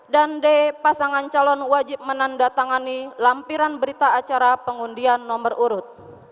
dan d pasangan calon wajib menandatangani lampiran berita acara pengundian nomor urut